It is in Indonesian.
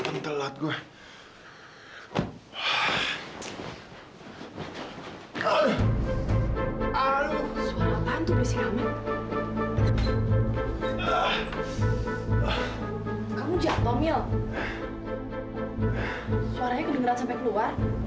suaranya kedengeran sampai keluar